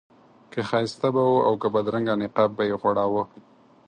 که ښایسته به و او که بدرنګه نقاب به یې غوړاوه.